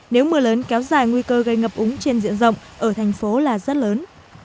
nếu mưa lớn kéo dài nguy cơ gây ngập úng trên diện rộng ở thành phố là rất lớn